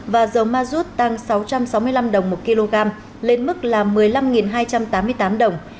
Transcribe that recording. và dầu ma rút tăng sáu trăm sáu mươi năm đồng một kg lên mức là một mươi năm hai trăm tám mươi tám đồng